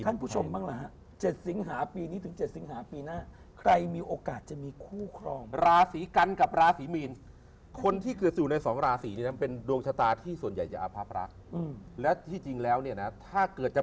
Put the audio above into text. ท่านผู้ชมบ้างเหรอฮะ๗สิงหาปีนี้ถึง๗สิงหาปีหน้า